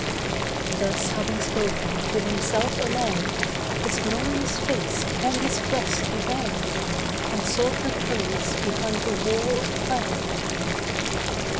Thus having spoken to Himself aloud, His glorious face upon His breast He bowed, And sought repose behind a wall of cloud.